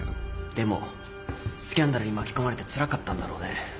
でもスキャンダルに巻き込まれてつらかったんだろうね。